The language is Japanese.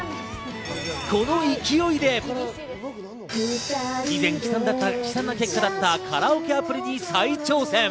この勢いで以前、悲惨な結果だったカラオケアプリに再挑戦。